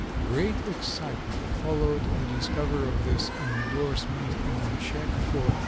Great excitement followed the discovery of this indorsement on a check for $32.